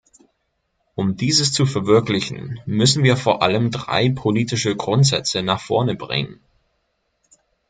Um dieses zu verwirklichen, müssen wir vor allem drei politische Grundsätze nach vorne bringen.